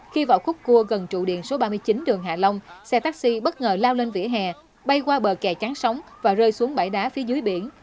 khi vào khúc cua gần trụ điện số ba mươi chín đường hạ long xe taxi bất ngờ lao lên vỉa hè bay qua bờ kè trắng sóng và rơi xuống bãi đá phía dưới biển